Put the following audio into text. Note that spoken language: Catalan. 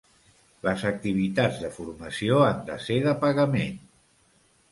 Les activitats de formació han de ser de pagament.